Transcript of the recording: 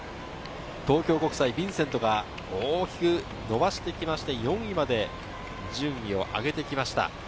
東京国際・ヴィンセントが大きく伸ばして、４位まで順位を上げてきました。